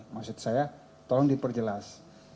maksud saya tolong diperjelas